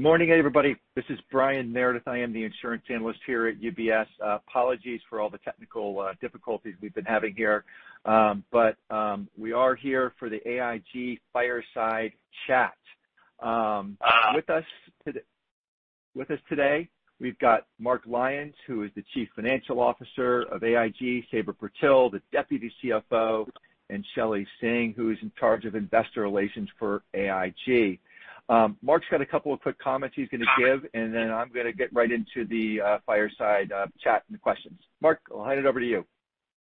Morning, everybody. This is Brian Meredith. I am the insurance analyst here at UBS. Apologies for all the technical difficulties we've been having here. We are here for the AIG Fireside Chat. With us today, we've got Mark Lyons, who is the Chief Financial Officer of AIG, Sabra Purtill, the deputy CFO, and Shelley Singh, who is in charge of investor relations for AIG. Mark's got a couple of quick comments he's going to give, and then I'm going to get right into the Fireside Chat and the questions. Mark, I'll hand it over to you.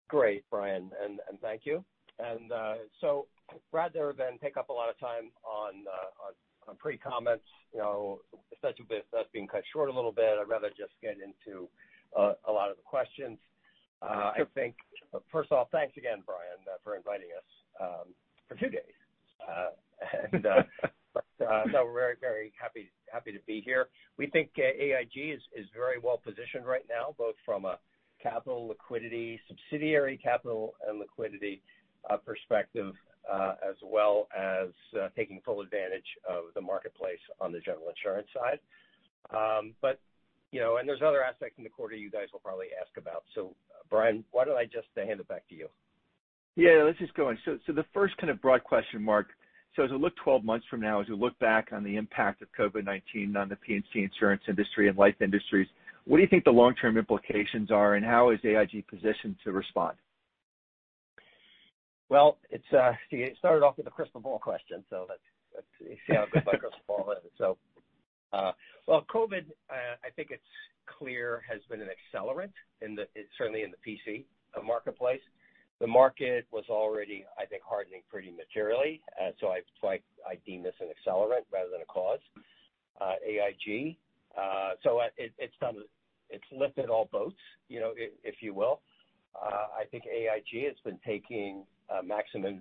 Great, Brian, thank you. Rather than take up a lot of time on pre-comments, especially with us being cut short a little bit, I'd rather just get into a lot of the questions. First of all, thanks again, Brian, for inviting us for two days. No, we're very happy to be here. We think AIG is very well-positioned right now, both from a capital liquidity, subsidiary capital, and liquidity perspective, as well as taking full advantage of the marketplace on the general insurance side. There's other aspects in the quarter you guys will probably ask about. Brian, why don't I just hand it back to you? Yeah, let's get going. The first kind of broad question, Mark. As we look 12 months from now, as we look back on the impact of COVID-19 on the P&C insurance industry and life industries, what do you think the long-term implications are, and how is AIG positioned to respond? Well, it started off with a crystal ball question, let's see how good my crystal ball is. Well, COVID, I think it's clear, has been an accelerant, certainly in the P&C marketplace. The market was already, I think, hardening pretty materially. I deem this an accelerant rather than a cause. It's lifted all boats, if you will. I think AIG has been taking maximum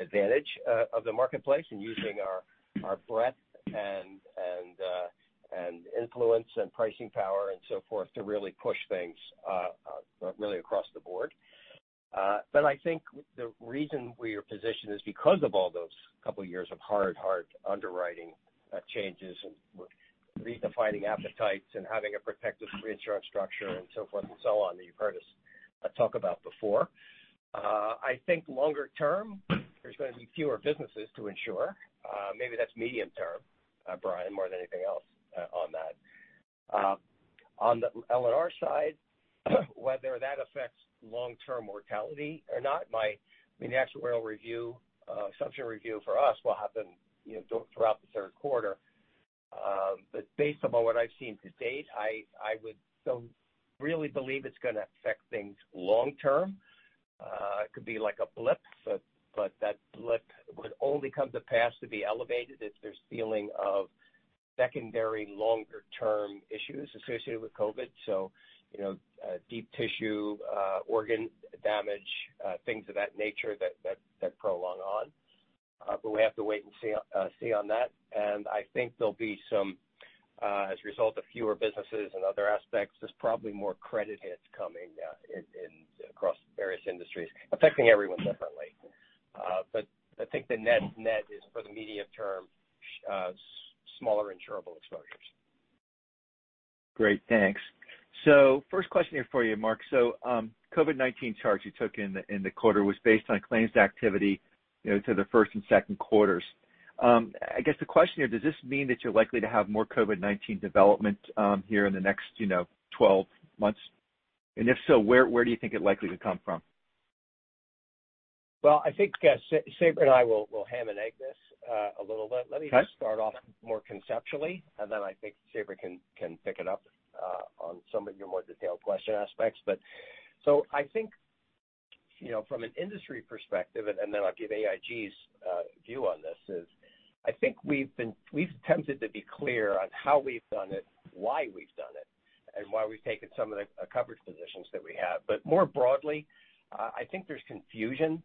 advantage of the marketplace and using our breadth and influence and pricing power and so forth to really push things really across the board. I think the reason we are positioned is because of all those couple of years of hard underwriting changes and redefining appetites and having a protective reinsurance structure and so forth and so on that you've heard us talk about before. I think longer term, there's going to be fewer businesses to insure. Maybe that's medium term, Brian, more than anything else on that. On the L&R side, whether that affects long-term mortality or not, the actuarial review, assumption review for us will happen throughout the third quarter. Based upon what I've seen to date, I don't really believe it's going to affect things long term. It could be like a blip, but that blip would only come to pass to be elevated if there's feeling of secondary longer-term issues associated with COVID. Deep tissue organ damage, things of that nature that prolong on. We have to wait and see on that. I think there'll be some, as a result of fewer businesses and other aspects, there's probably more credit hits coming across various industries affecting everyone differently. I think the net is for the medium term, smaller insurable exposures. Great, thanks. First question here for you, Mark. COVID-19 charge you took in the quarter was based on claims activity to the first and second quarters. I guess the question here, does this mean that you're likely to have more COVID-19 development here in the next 12 months? If so, where do you think it likely to come from? I think Sabra and I will ham and egg this a little bit. Okay. Let me just start off more conceptually, then I think Sabra can pick it up on some of your more detailed question aspects. I think from an industry perspective, then I'll give AIG's view on this is, I think we've attempted to be clear on how we've done it, why we've done it, and why we've taken some of the coverage positions that we have. More broadly, I think there's confusion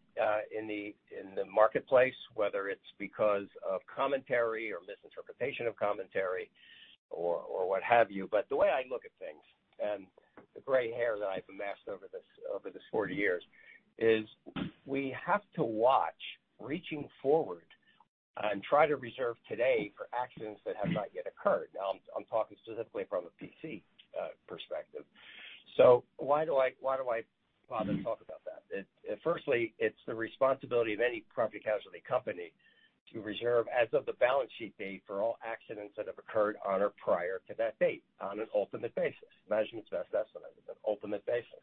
in the marketplace, whether it's because of commentary or misinterpretation of commentary or what have you. The way I look at things, and the gray hair that I've amassed over this 40 years is we have to watch reaching forward and try to reserve today for accidents that have not yet occurred. Now, I'm talking specifically from a PC perspective. Why do I bother to talk about that? Firstly, it's the responsibility of any property casualty company to reserve as of the balance sheet date for all accidents that have occurred on or prior to that date on an ultimate basis. Management's best estimate is an ultimate basis.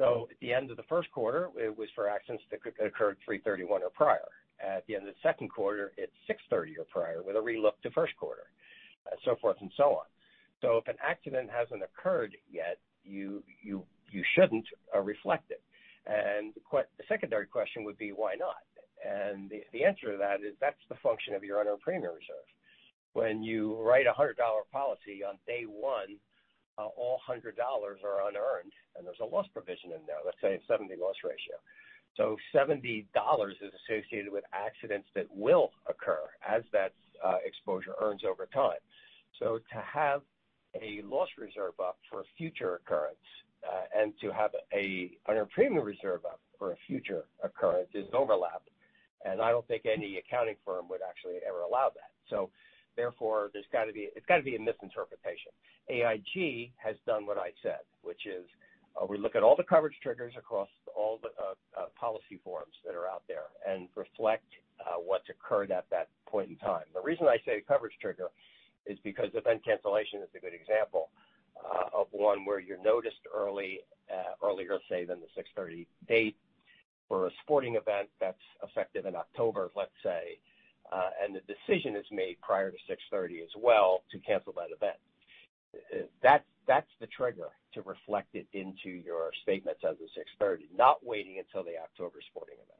At the end of the first quarter, it was for accidents that occurred 3/31 or prior. At the end of the second quarter, it's 6/30 or prior with a re-look to first quarter, so forth and so on. If an accident hasn't occurred yet, you shouldn't reflect it. The secondary question would be why not? The answer to that is that's the function of your unearned premium reserve. When you write a $100 policy on day one, all $100 are unearned and there's a loss provision in there, let's say a 70 loss ratio. $70 is associated with accidents that will occur as that exposure earns over time. To have a loss reserve up for a future occurrence, and to have an unearned premium reserve up for a future occurrence is overlap. I don't think any accounting firm would actually ever allow that. Therefore, it's got to be a misinterpretation. AIG has done what I said, which is we look at all the coverage triggers across all the policy forms that are out there and reflect what's occurred at that point in time. The reason I say coverage trigger is because event cancellation is a good example of one where you're noticed earlier, say, than the 6/30 date for a sporting event that's effective in October, let's say, and the decision is made prior to 6/30 as well to cancel that event. That's the trigger to reflect it into your statements as of 6/30, not waiting until the October sporting event.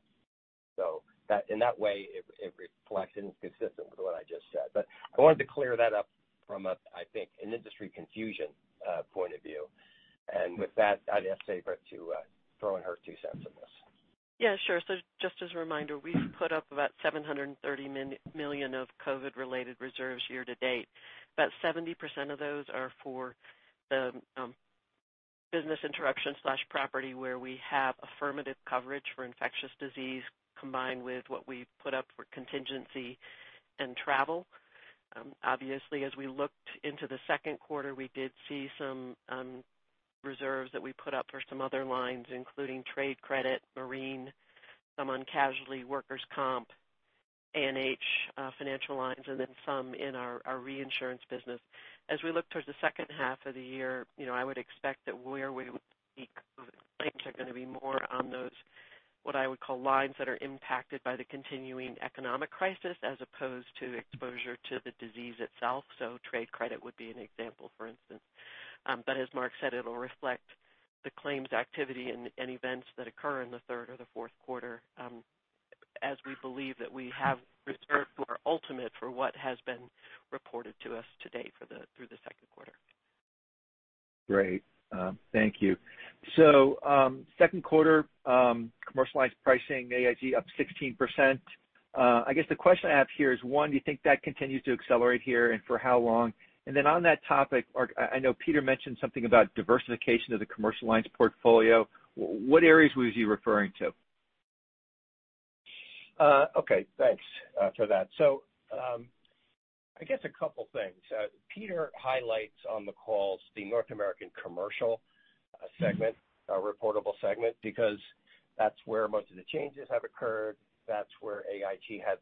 In that way, it reflects and is consistent with what I just said. I wanted to clear that up from, I think, an industry confusion point of view. With that, I'd ask Sabra to throw in her $0.02 on this. Yeah, sure. Just as a reminder, we've put up about $730 million of COVID-related reserves year to date. About 70% of those are for the business interruption/property, where we have affirmative coverage for infectious disease, combined with what we put up for contingency and travel. Obviously, as we looked into the second quarter, we did see some reserves that we put up for some other lines, including trade credit, marine, some on casualty, workers' comp, A&H financial lines, and then some in our reinsurance business. As we look towards the second half of the year, I would expect that where we would see claims are going to be more on those, what I would call lines that are impacted by the continuing economic crisis as opposed to exposure to the disease itself. Trade credit would be an example, for instance. As Mark said, it'll reflect the claims activity and events that occur in the third or the fourth quarter as we believe that we have reserved for ultimate for what has been reported to us to date through the second quarter. Great. Thank you. Second quarter commercial lines pricing AIG up 16%. I guess the question I have here is, one, do you think that continues to accelerate here, and for how long? On that topic, Mark, I know Peter mentioned something about diversification of the commercial lines portfolio. What areas was he referring to? Okay, thanks for that. I guess a couple things. Peter highlights on the calls the North American commercial segment, reportable segment, because that's where most of the changes have occurred. That's where AIG has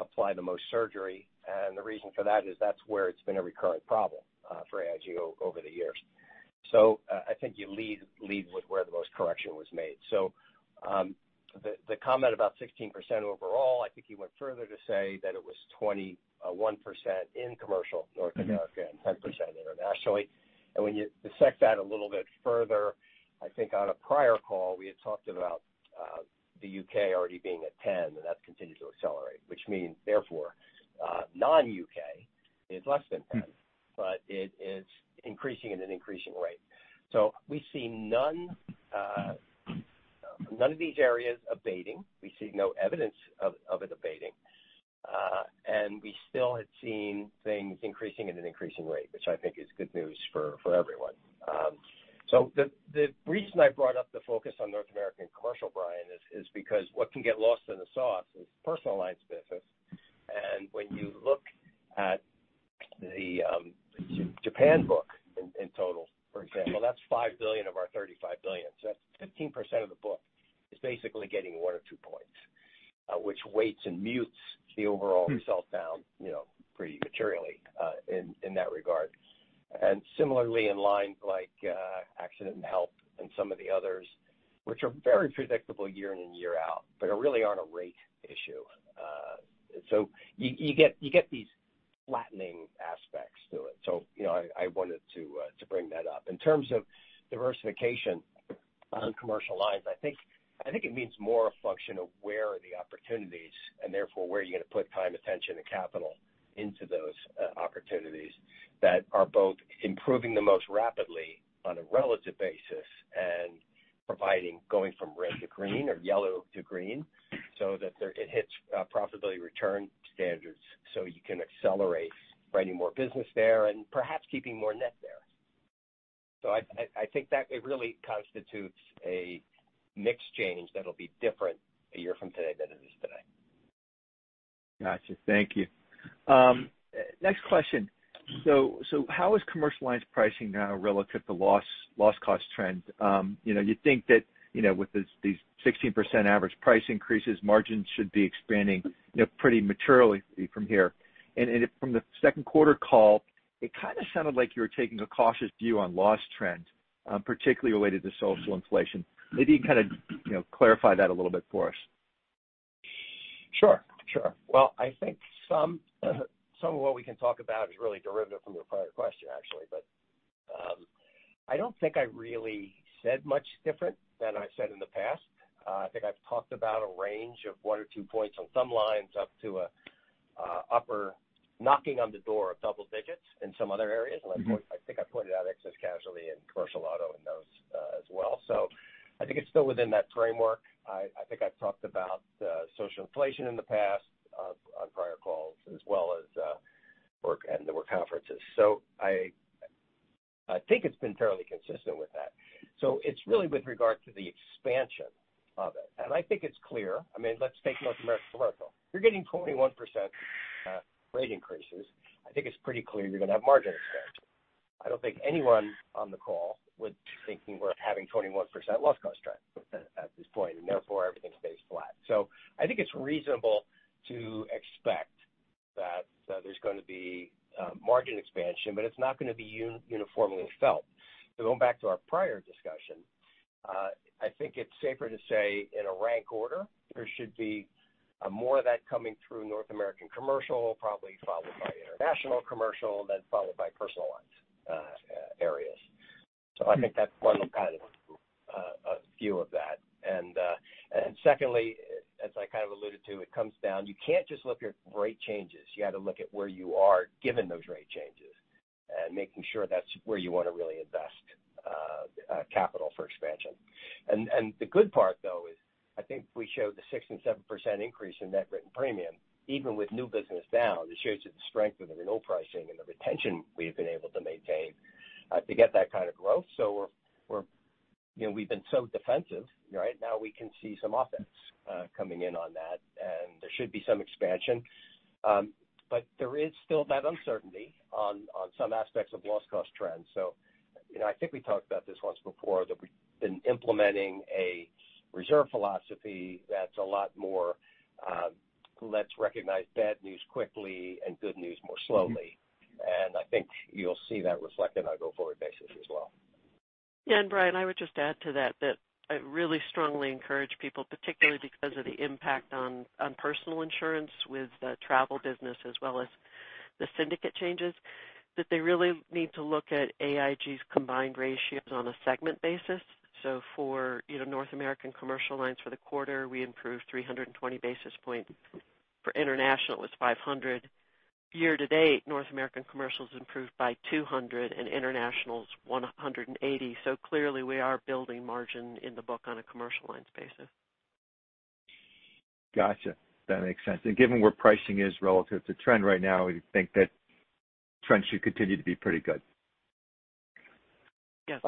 applied the most surgery, and the reason for that is that's where it's been a recurring problem for AIG over the years. I think you lead with where the most correction was made. The comment about 16% overall, I think he went further to say that it was 21% in Commercial North America and 10% internationally. When you dissect that a little bit further, I think on a prior call, we had talked about the U.K. already being at 10, and that continues to accelerate, which means therefore non-U.K. is less than 10. It is increasing at an increasing rate. We see none of these areas abating. We see no evidence of it abating. We still had seen things increasing at an increasing rate, which I think is good news for everyone. The reason I brought up the focus on North American commercial, Brian, is because what can get lost in the sauce is personal lines business. When you look at the Japan book in total, for example, that's $5 billion of our $35 billion. That's 15% of the book is basically getting one or two points, which weights and mutes the overall result down pretty materially in that regard. Similarly, in lines like Accident and Health and some of the others, which are very predictable year in and year out, but really on a rate issue. You get these flattening aspects to it. I wanted to bring that up. In terms of diversification on commercial lines, I think it means more a function of where are the opportunities and therefore where are you going to put time, attention, and capital into those opportunities that are both improving the most rapidly on a relative basis and providing going from red to green or yellow to green so that it hits profitability return standards so you can accelerate writing more business there and perhaps keeping more net there. I think that it really constitutes a mix change that'll be different a year from today than it is today. Got you. Thank you. Next question. How is commercial lines pricing now relative to loss cost trends? You'd think that with these 16% average price increases, margins should be expanding pretty materially from here. From the second quarter call, it kind of sounded like you were taking a cautious view on loss trends, particularly related to social inflation. Maybe kind of clarify that a little bit for us. Sure. Well, I think some of what we can talk about is really derivative from your prior question, actually, but I don't think I really said much different than I said in the past. I think I've talked about a range of one or two points on some lines up to a upper knocking on the door of double digits in some other areas. I think I pointed out excess casualty and commercial auto in those as well. I think it's still within that framework. I think I've talked about social inflation in the past. As well as work and the work conferences. I think it's been fairly consistent with that. It's really with regard to the expansion of it, and I think it's clear. Let's take North American commercial. If you're getting 21% rate increases, I think it's pretty clear you're going to have margin expansion. I don't think anyone on the call would be thinking we're having 21% loss cost trend at this point, and therefore, everything stays flat. I think it's reasonable to expect that there's going to be margin expansion, but it's not going to be uniformly felt. Going back to our prior discussion, I think it's safer to say, in a rank order, there should be more of that coming through North American commercial, probably followed by international commercial, then followed by personal lines areas. I think that's one kind of a view of that. Secondly, as I kind of alluded to, it comes down, you can't just look at rate changes. You have to look at where you are given those rate changes and making sure that's where you want to really invest capital for expansion. The good part, though, is I think we showed the 6% and 7% increase in net written premium. Even with new business down, it shows you the strength of the renewal pricing and the retention we've been able to maintain to get that kind of growth. We've been so defensive, right? Now we can see some offense coming in on that, and there should be some expansion. There is still that uncertainty on some aspects of loss cost trends. I think we talked about this once before, that we've been implementing a reserve philosophy that's a lot more, let's recognize bad news quickly and good news more slowly. I think you'll see that reflected on a go-forward basis as well. Yeah. Brian, I would just add to that I really strongly encourage people, particularly because of the impact on personal insurance with the travel business as well as the syndicate changes, that they really need to look at AIG's combined ratios on a segment basis. For North American commercial lines for the quarter, we improved 320 basis points. For international, it was 500. Year-to-date, North American commercial's improved by 200, and international's 180. Clearly we are building margin in the book on a commercial lines basis. Got you. That makes sense. Given where pricing is relative to trend right now, we think that trend should continue to be pretty good. Yes.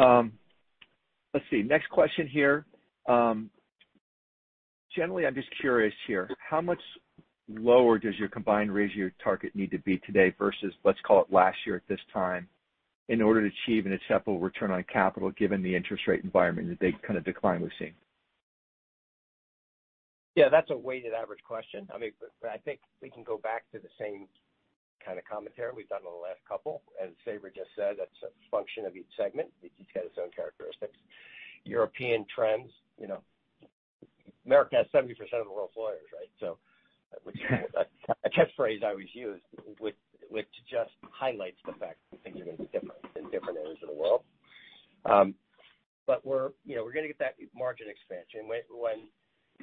Let's see. Next question here. Generally, I'm just curious here, how much lower does your combined ratio target need to be today versus, let's call it last year at this time, in order to achieve an acceptable return on capital, given the interest rate environment and the big kind of decline we've seen? Yeah, that's a weighted average question. I think we can go back to the same kind of commentary we've done on the last couple. As Sabra just said, that's a function of each segment, which each has its own characteristics. European trends, the U.S. has 70% of the world's lawyers, right? Which a catchphrase I always use, which just highlights the fact that things are going to be different in different areas of the world. We're going to get that margin expansion.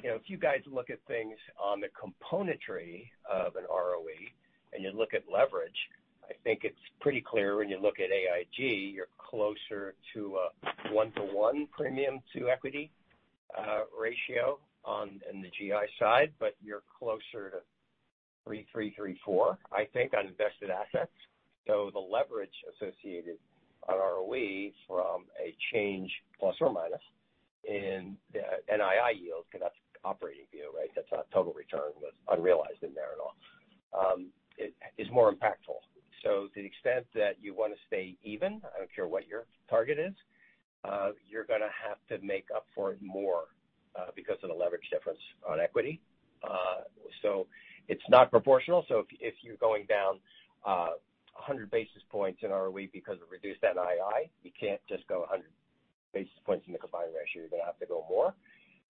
If you guys look at things on the componentry of an ROE and you look at leverage, I think it's pretty clear when you look at AIG, you're closer to a one-to-one premium-to-equity ratio on the GI side, but you're closer to 3.3.4, I think, on invested assets. The leverage associated on ROE from a change, plus or minus, in the NII yield, because that's operating view, right? That's not total return with unrealized in there at all, is more impactful. To the extent that you want to stay even, I don't care what your target is, you're going to have to make up for it more because of the leverage difference on equity. It's not proportional. If you're going down 100 basis points in ROE because of reduced NII, you can't just go 100 basis points in the combined ratio. You're going to have to go more.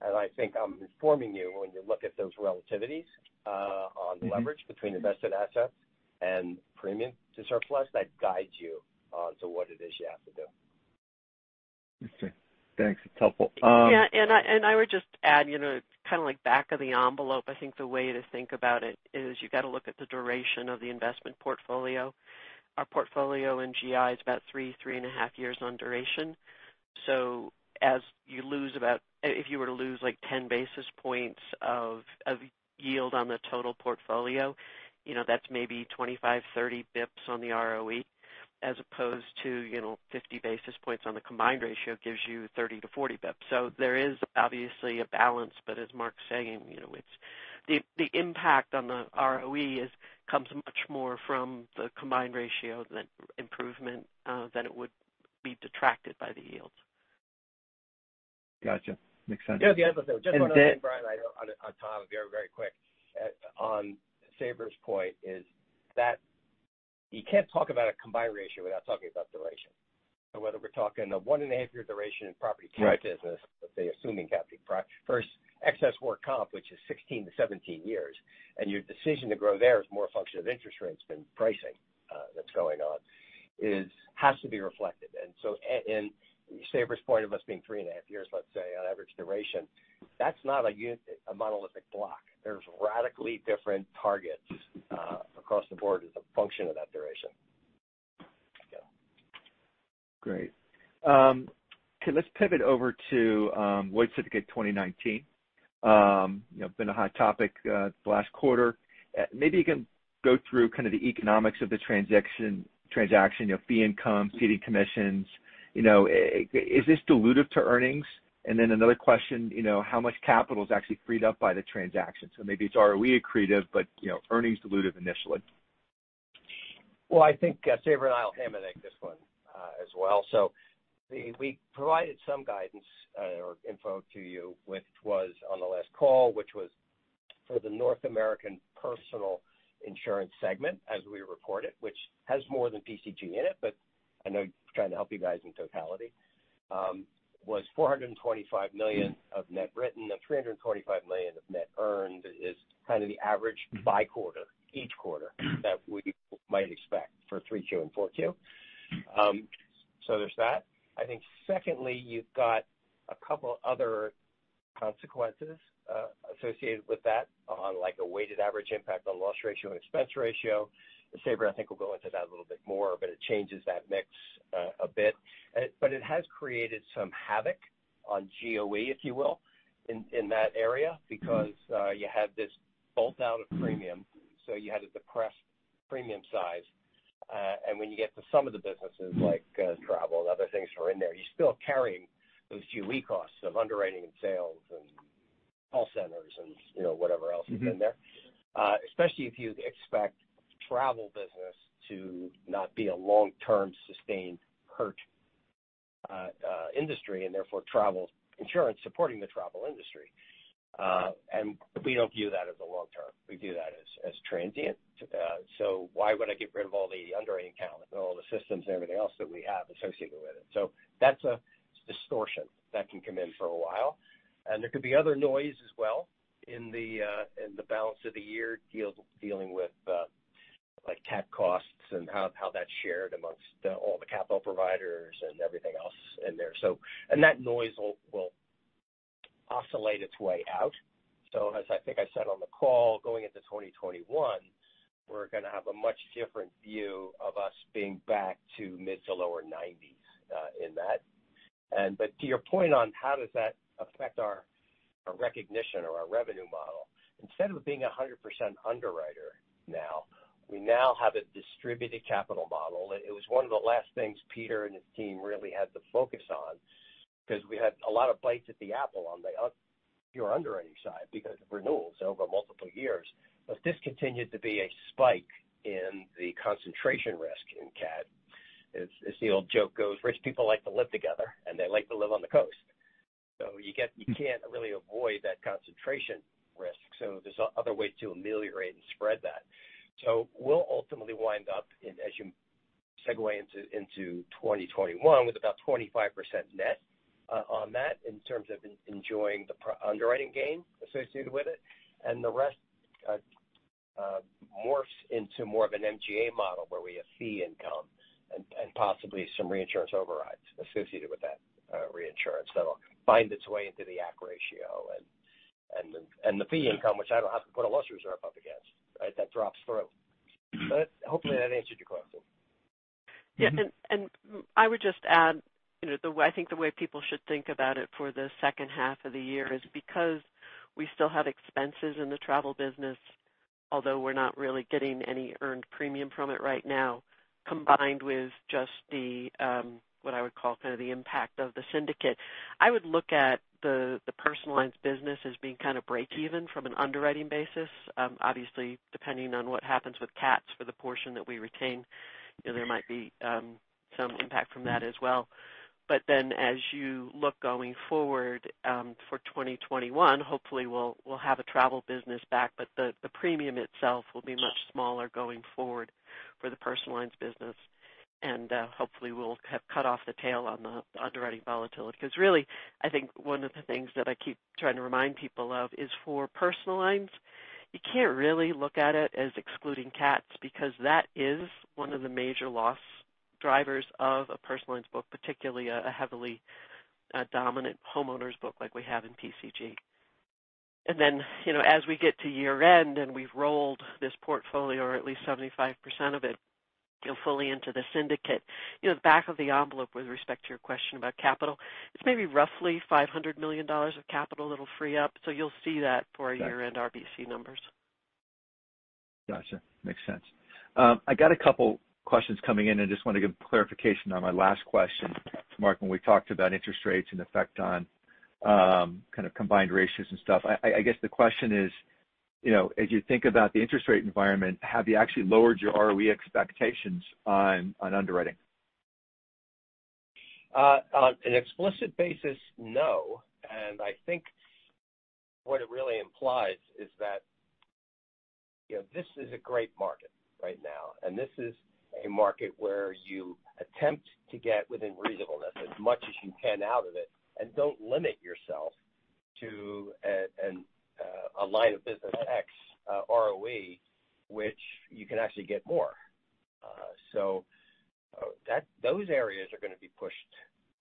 I think I'm informing you when you look at those relativities on leverage between invested assets and premium to surplus, that guides you on to what it is you have to do. Okay. Thanks. That's helpful. Yeah, I would just add, kind of like back of the envelope, I think the way to think about it is you've got to look at the duration of the investment portfolio. Our portfolio in GI is about 3 and a half years on duration. If you were to lose like 10 basis points of yield on the total portfolio, that's maybe 25, 30 basis points on the ROE as opposed to 50 basis points on the combined ratio gives you 30 to 40 basis points. There is obviously a balance, as Mark's saying, the impact on the ROE comes much more from the combined ratio than improvement than it would be detracted by the yields. Got you. Makes sense. Yeah, the other thing, just one other thing, Brian, on top of you very quick on Sabra's point is that you can't talk about a combined ratio without talking about duration. Whether we're talking a one-and-a-half-year duration in property- Right CAT business with the assuming CAT first excess workers' comp, which is 16-17 years. Your decision to grow there is more a function of interest rates than pricing that's going on, has to be reflected. Sabra's point of us being three and a half years, let's say, on average duration, that's not a monolithic block. There's radically different targets across the board as a function of that duration. Great. Okay, let's pivot over to Lloyd's Syndicate 2019. Been a hot topic the last quarter. Maybe you can go through kind of the economics of the transaction, fee income, ceding commissions. Is this dilutive to earnings? Another question, how much capital is actually freed up by the transaction? Maybe it's ROE accretive, but earnings dilutive initially. I think Sabra and I will hammer out this one as well. We provided some guidance or info to you, which was on the last call, which was for the North American personal insurance segment as we report it, which has more than PCG in it, but I know trying to help you guys in totality, was $425 million of net written and $325 million of net earned is kind of the average by quarter, each quarter that we might expect for 3Q and 4Q. There's that. I think secondly, you've got a couple other consequences associated with that on like a weighted average impact on loss ratio and expense ratio. Sabra, I think, will go into that a little bit more, but it changes that mix a bit. It has created some havoc on GOE, if you will, in that area because you had this bolt down of premium, so you had a depressed premium size. When you get to some of the businesses like travel and other things that are in there, you're still carrying those GOE costs of underwriting and sales and call centers and whatever else is in there. Especially if you expect travel business to not be a long-term sustained hurt industry, and therefore travel insurance supporting the travel industry. We don't view that as a long-term. We view that as transient. Why would I get rid of all the underwriting talent and all the systems and everything else that we have associated with it? That's a distortion that can come in for a while. There could be other noise as well in the balance of the year dealing with like tax costs and how that's shared amongst all the capital providers and everything else in there. That noise will oscillate its way out. As I think I said on the call, going into 2021, we're going to have a much different view of us being back to mid to lower nineties in that. To your point on how does that affect our recognition or our revenue model, instead of being 100% underwriter now, we now have a distributed capital model. It was one of the last things Peter and his team really had to focus on because we had a lot of bites at the apple on the pure underwriting side because of renewals over multiple years. This continued to be a spike in the concentration risk in CAT. As the old joke goes, rich people like to live together, and they like to live on the coast. You can't really avoid that concentration risk. There's other ways to ameliorate and spread that. We'll ultimately wind up in, as you segue into 2021, with about 25% net on that in terms of enjoying the underwriting gain associated with it. The rest morphs into more of an MGA model where we have fee income and possibly some reinsurance overrides associated with that reinsurance that'll find its way into the AC ratio and the fee income, which I don't have to put a loss reserve up against. That drops through. Hopefully that answered your question. I would just add, I think the way people should think about it for the second half of the year is because we still have expenses in the travel business, although we're not really getting any earned premium from it right now, combined with just the, what I would call kind of the impact of the syndicate. I would look at the personal lines business as being kind of breakeven from an underwriting basis. Obviously, depending on what happens with CATs for the portion that we retain, there might be some impact from that as well. As you look going forward for 2021, hopefully we'll have a travel business back, but the premium itself will be much smaller going forward for the personal lines business. Hopefully we'll have cut off the tail on the underwriting volatility. Really, I think one of the things that I keep trying to remind people of is for personal lines, you can't really look at it as excluding CATs because that is one of the major loss drivers of a personal lines book, particularly a heavily dominant homeowners book like we have in PCG. As we get to year-end and we've rolled this portfolio or at least 75% of it fully into the syndicate, back of the envelope with respect to your question about capital, it's maybe roughly $500 million of capital that'll free up. You'll see that for year-end RBC numbers. Got you. Makes sense. I got a couple questions coming in and just want to give clarification on my last question to Mark when we talked about interest rates and effect on kind of combined ratios and stuff. I guess the question is, as you think about the interest rate environment, have you actually lowered your ROE expectations on underwriting? On an explicit basis, no. I think what it really implies is that this is a great market right now, and this is a market where you attempt to get within reasonableness as much as you can out of it and don't limit yourself to a line of business X ROE, which you can actually get more. Those areas are going to be pushed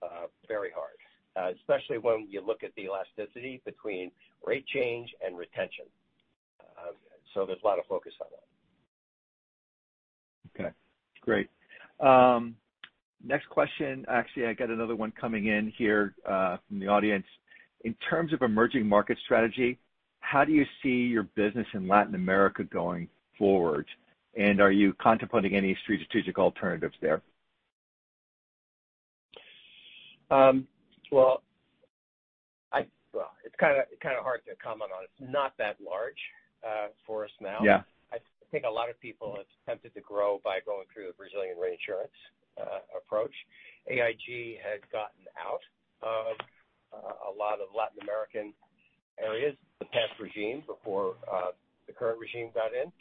to Especially when you look at the elasticity between rate change and retention. There's a lot of focus on that. Okay, great. Next question. Actually, I got another one coming in here from the audience. In terms of emerging market strategy, how do you see your business in Latin America going forward? Are you contemplating any strategic alternatives there? Well, it's kind of hard to comment on. It's not that large for us now. Yeah. I think a lot of people have attempted to grow by going through the Brazilian reinsurance approach. AIG had gotten out of a lot of Latin American areas, the past regime, before the current regime got in.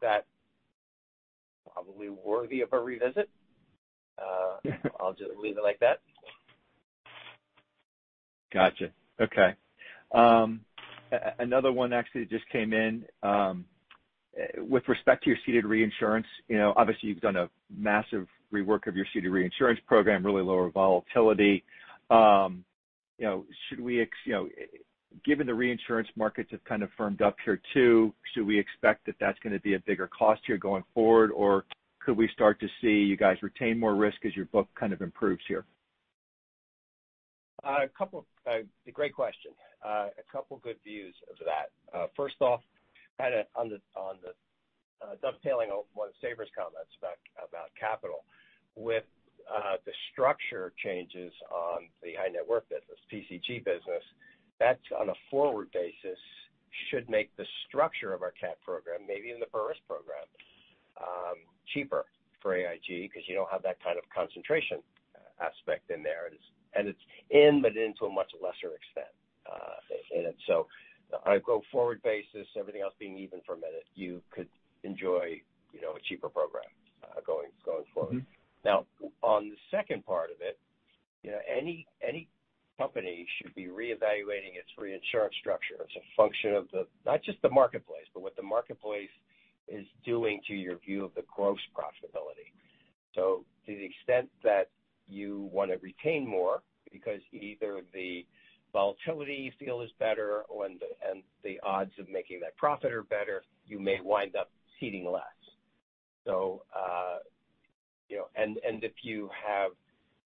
That probably worthy of a revisit. I'll just leave it like that. Got you. Okay. Another one actually just came in. With respect to your ceded reinsurance, obviously you've done a massive rework of your ceded reinsurance program, really lower volatility. Given the reinsurance markets have kind of firmed up here too, should we expect that that's going to be a bigger cost here going forward? Could we start to see you guys retain more risk as your book kind of improves here? A great question. A couple good views of that. First off, kind of on the dovetailing of one of Sabra's comments about capital. With the structure changes on the high net worth business, PCG business, that on a forward basis should make the structure of our CAT program, maybe even the broader program, cheaper for AIG because you don't have that kind of concentration aspect in there. It's in, but in to a much lesser extent in it. On a go-forward basis, everything else being even for a minute, you could enjoy a cheaper program going forward. On the second part of it, any company should be reevaluating its reinsurance structure as a function of not just the marketplace, but what the marketplace is doing to your view of the gross profitability. To the extent that you want to retain more because either the volatility you feel is better and the odds of making that profit are better, you may wind up ceding less. If you have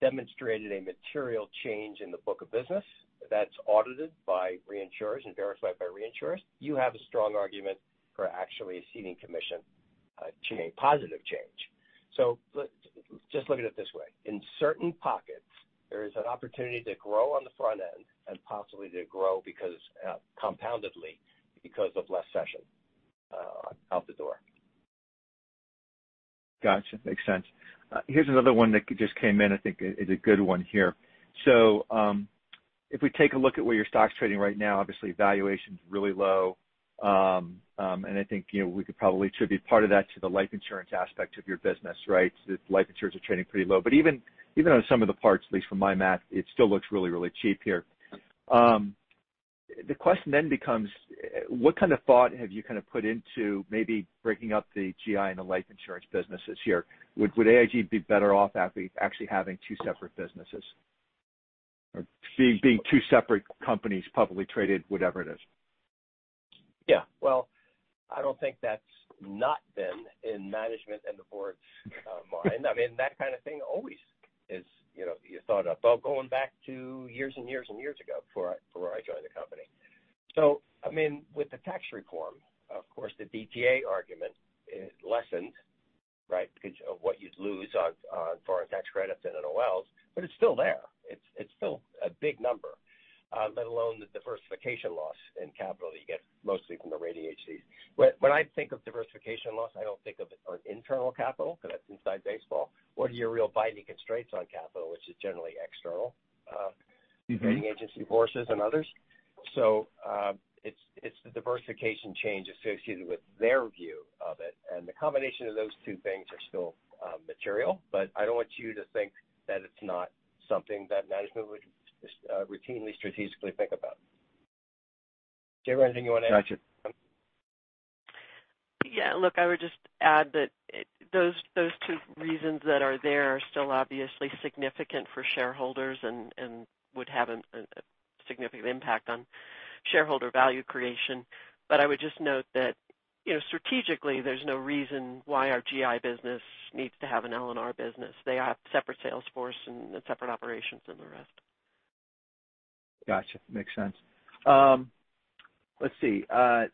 demonstrated a material change in the book of business that's audited by reinsurers and verified by reinsurers, you have a strong argument for actually ceding commission to a positive change. Just look at it this way. In certain pockets, there is an opportunity to grow on the front end and possibly to grow compoundedly because of less cession out the door. Got you. Makes sense. Here's another one that just came in. I think it's a good one here. If we take a look at where your stock's trading right now, obviously valuation's really low. I think we could probably attribute part of that to the life insurance aspect of your business, right? Life insurance are trading pretty low. Even on some of the parts, at least from my math, it still looks really, really cheap here. The question then becomes, what kind of thought have you put into maybe breaking up the GI and the life insurance businesses here? Would AIG be better off actually having two separate businesses? Or being two separate companies, publicly traded, whatever it is. Well, I don't think that's not been in management and the board's mind. I mean, that kind of thing always is thought of, going back to years and years and years ago before I joined the company. With the tax reform, of course, the DTA argument lessened, right? Because of what you'd lose on foreign tax credits and NOLs, but it's still there. It's still a big number. Let alone the diversification loss in capital that you get mostly from the rating agencies. When I think of diversification loss, I don't think of it on internal capital because that's inside baseball. What are your real binding constraints on capital, which is generally external- rating agency forces and others. It's the diversification change associated with their view of it, and the combination of those two things are still material. I don't want you to think that it's not something that management would routinely, strategically think about. Sabra, anything you want to add? Got you. Yeah, look, I would just add that those two reasons that are there are still obviously significant for shareholders and would have a significant impact on shareholder value creation. I would just note that strategically, there's no reason why our GI business needs to have an L&R business. They have separate sales force and separate operations and the rest. Got you. Makes sense. Let's see.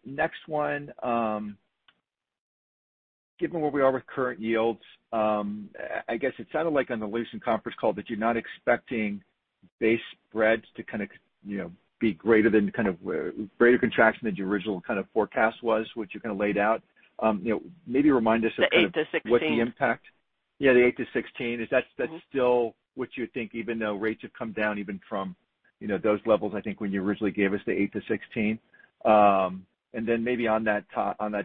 Next one. Given where we are with current yields, I guess it sounded like on the Lucent conference call that you're not expecting base spreads to be greater contraction than your original kind of forecast was, which you kind of laid out. Maybe remind us of The 8-16 What the impact? The 8-16. Is that still what you would think even though rates have come down even from those levels, I think when you originally gave us the 8-16? Then maybe on that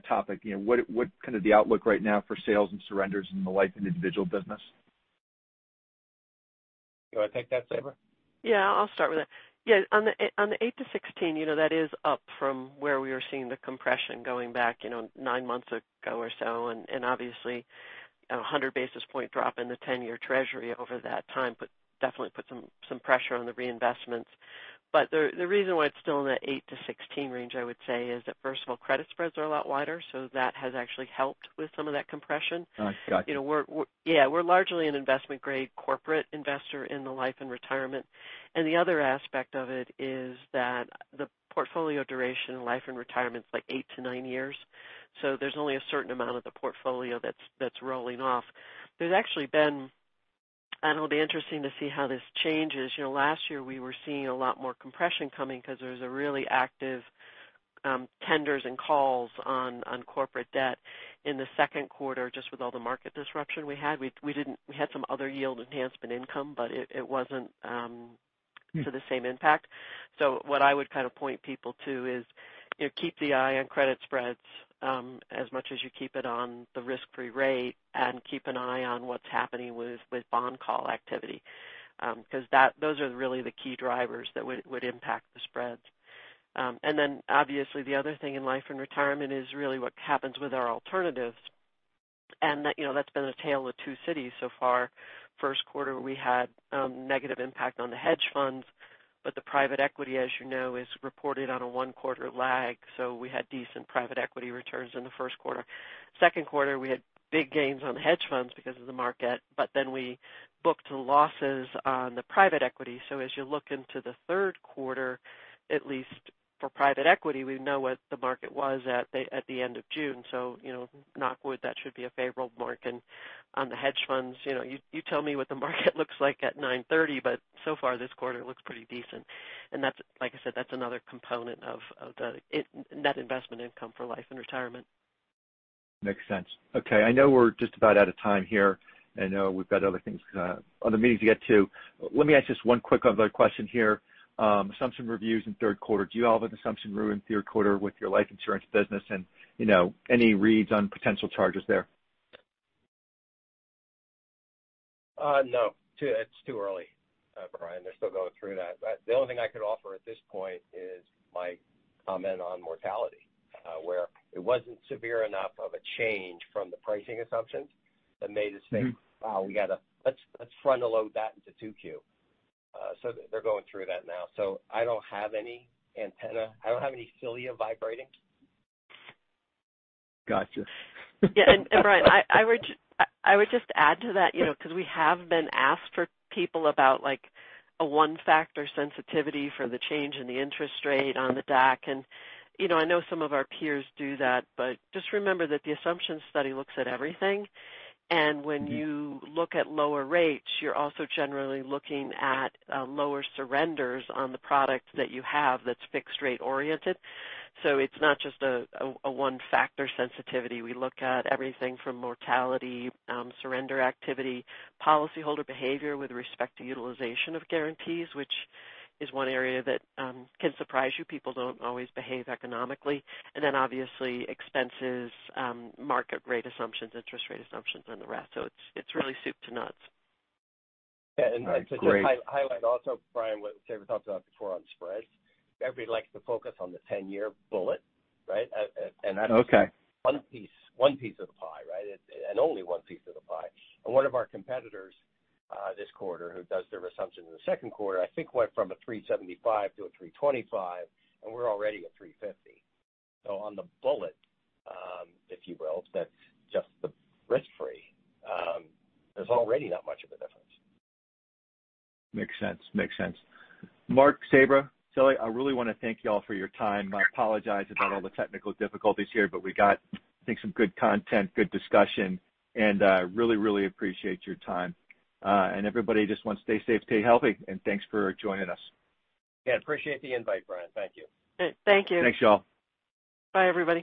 topic, what kind of the outlook right now for sales and surrenders in the life and individual business? Do you want to take that, Sabra? I'll start with it. On the 8-16, that is up from where we were seeing the compression going back nine months ago or so, and obviously a 100 basis point drop in the 10-year treasury over that time definitely put some pressure on the reinvestments. The reason why it's still in the 8-16 range, I would say, is that first of all, credit spreads are a lot wider, so that has actually helped with some of that compression. I got you. Yeah. We're largely an investment-grade corporate investor in the life and retirement. The other aspect of it is that the portfolio duration in life and retirement is like 8 to 9 years, so there's only a certain amount of the portfolio that's rolling off. There's actually been, and it'll be interesting to see how this changes. Last year we were seeing a lot more compression coming because there was a really active tenders and calls on corporate debt in the second quarter just with all the market disruption we had. We had some other yield enhancement income, but it wasn't to the same impact. What I would kind of point people to is keep the eye on credit spreads as much as you keep it on the risk-free rate and keep an eye on what is happening with bond call activity, because those are really the key drivers that would impact the spreads. Then obviously the other thing in life and retirement is really what happens with our alternatives. That's been a tale of two cities so far. First quarter we had negative impact on the hedge funds, but the private equity, as you know, is reported on a one quarter lag. We had decent private equity returns in the first quarter. Second quarter we had big gains on the hedge funds because of the market, we booked losses on the private equity. As you look into the third quarter, at least for private equity, we know what the market was at the end of June. Knock on wood, that should be a favorable mark. On the hedge funds, you tell me what the market looks like at 9:30, so far this quarter looks pretty decent. That's, like I said, that's another component of the net investment income for life and retirement. Makes sense. I know we're just about out of time here, and I know we've got other meetings to get to. Let me ask just one quick other question here. Assumption reviews in third quarter. Do you have an assumption review in third quarter with your life insurance business and any reads on potential charges there? No. It's too early, Brian. They're still going through that. The only thing I could offer at this point is my comment on mortality, where it wasn't severe enough of a change from the pricing assumptions that made us think, "Oh, let's front load that into two Q." They're going through that now, so I don't have any antenna. I don't have any cilia vibrating. Gotcha. Yeah. Brian, I would just add to that because we have been asked for people about a one factor sensitivity for the change in the interest rate on the DAC. I know some of our peers do that, but just remember that the assumption study looks at everything. When you look at lower rates, you're also generally looking at lower surrenders on the product that you have that's fixed rate oriented. It's not just a one factor sensitivity. We look at everything from mortality, surrender activity, policy holder behavior with respect to utilization of guarantees, which is one area that can surprise you. People don't always behave economically. Then obviously expenses, market rate assumptions, interest rate assumptions, and the rest. It's really soup to nuts. Yeah. Great. To just highlight also, Brian, what Sabra talked about before on spreads. Everybody likes to focus on the 10-year bullet, right? Okay. That's one piece of the pie, right? Only one piece of the pie. One of our competitors this quarter who does their assumption in the second quarter, I think went from a 3.75 to a 3.25, and we're already at 3.50. On the bullet, if you will, that's just the risk-free. There's already not much of a difference. Makes sense. Mark, Sabra, Kelly, I really want to thank you all for your time. I apologize about all the technical difficulties here, we got, I think, some good content, good discussion, and really, really appreciate your time. Everybody just wants to stay safe, stay healthy, and thanks for joining us. Yeah. Appreciate the invite, Brian. Thank you. Thank you. Thanks, y'all. Bye, everybody.